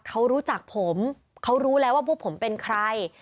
เขารู้จักผมเขารู้แล้วว่าพวกผมเป็นใคร